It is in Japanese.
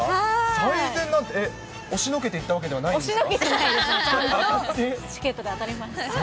最前なんて、押しのけて行ったわけではないですよね。